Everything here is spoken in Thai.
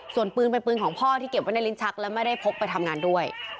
ส่วนปืนเป็นปืนของพ่อที่เก็บไว้ในลิ้นชักและไม่ได้พกไปทำงานด้วย